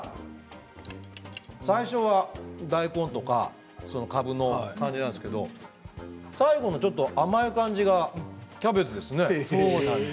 最初は大根とか、かぶの感じなんですけれど最後にちょっと甘い感じがキャベツですね。